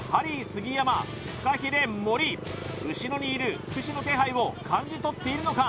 杉山フカヒレ森後ろにいる福士の気配を感じ取っているのか？